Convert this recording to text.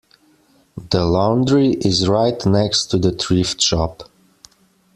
The laundry is right next to the thrift shop.